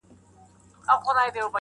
او که که چا خپه کړي وي